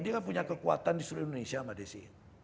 dia kan punya kekuatan di seluruh indonesia mbak desi